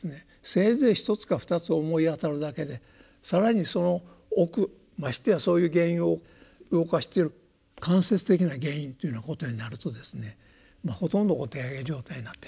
せいぜい一つか二つ思い当たるだけで更にその奥ましてやそういう原因を動かしてる間接的な原因っていうようなことになるとですねほとんどお手上げ状態になってしまうと。